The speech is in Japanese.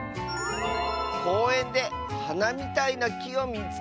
「こうえんではなみたいな『き』をみつけた！」。